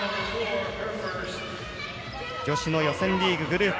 女子の予選リーグ、グループ